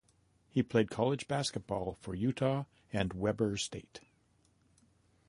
He played college basketball for Utah and Weber State.